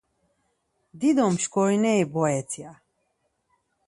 Dido mşkorineri boret ya.